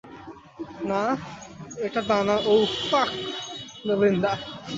না, এটা তা না ওউ, ফাক মেলিন্ডা।